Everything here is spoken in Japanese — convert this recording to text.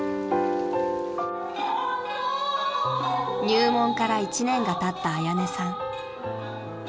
［入門から１年がたった彩音さん］